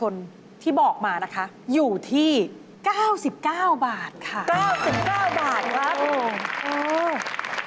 มี๑๕๐๙๙บาทมันก็สมราคาแล้วค่ะ